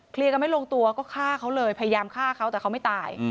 กันไม่ลงตัวก็ฆ่าเขาเลยพยายามฆ่าเขาแต่เขาไม่ตาย